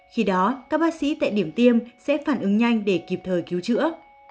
khi đó các bác sĩ tại điểm tiêm sẽ phản ứng nhanh để kịp thời cứu chữa